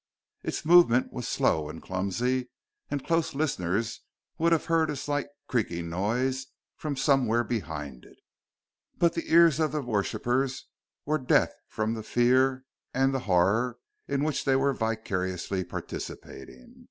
Its movement was slow and clumsy, and close listeners would have heard a slight creaking noise from somewhere behind it but the ears of the worshippers were deaf from the fear and the horror in which they were vicariously participating.